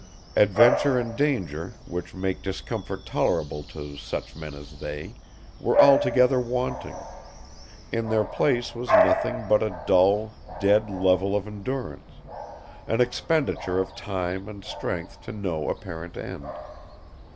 Adventure and danger, which make discomfort tolerable to such men as they, were altogether wanting; in their place was nothing but a dull, dead level of endurance, an expenditure of time and strength to no apparent end.